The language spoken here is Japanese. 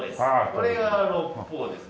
これが六方ですね。